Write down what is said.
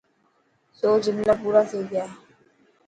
سو جملا پورا ٿي گيا.